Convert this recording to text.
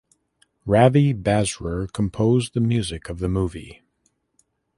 Ravi Basrur composed the music of the movie.